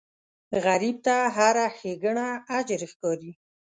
غریب ته هره ښېګڼه اجر ښکاري